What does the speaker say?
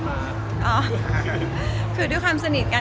ไม่เกิดหุ้มกันเลย